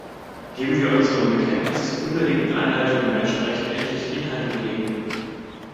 Geben wir unserem Bekenntnis zur unbedingten Einhaltung der Menschenrechte endlich Inhalt und Leben.